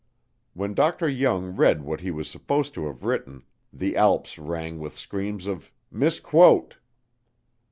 When Dr. Jung read what he was supposed to have written the Alps rang with screams of "misquote."